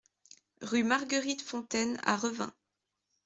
Rue Marguerite Fontaine à Revin